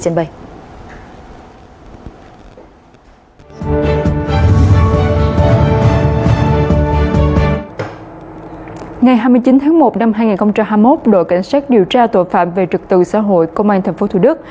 ngày hai mươi chín tháng một năm hai nghìn hai mươi một đội cảnh sát điều tra tội phạm về trật tự xã hội công an tp thủ đức